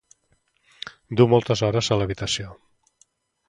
Du moltes hores a l'habitació.